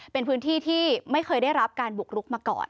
เป็นพื้นที่ที่ไม่เคยได้รับการบุกรุกมาก่อน